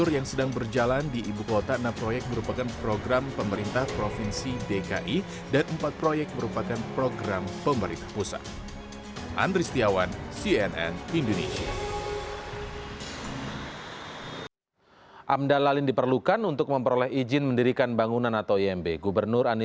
yang akan dimanggupkan